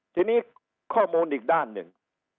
ทีนี้ข้อมูลอีกด้านหนึ่ง